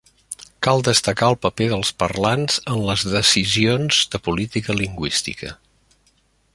Cal destacar el paper dels parlants en les decisions de política lingüística.